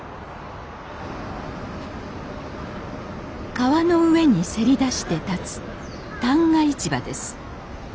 川の上にせり出して建つ旦過市場です。